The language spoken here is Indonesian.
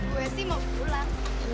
gue sih mau pulang